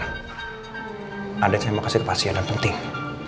ada yang saya mau kasih ke pasien dan penting